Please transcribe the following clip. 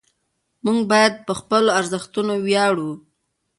موږ باید په خپلو ارزښتونو ویاړو.